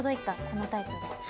このタイプが。